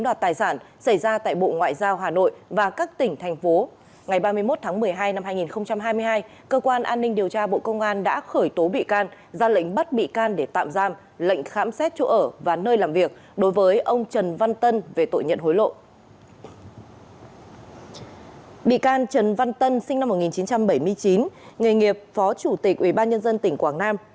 bị can trần văn tân sinh năm một nghìn chín trăm bảy mươi chín nghề nghiệp phó chủ tịch ủy ban nhân dân tỉnh quảng nam